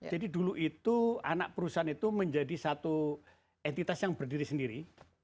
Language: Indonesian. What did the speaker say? jadi dulu itu anak perusahaan itu menjadi satu entitas yang berdiri sendiri